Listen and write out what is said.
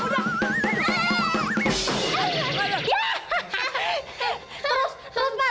terus terus pak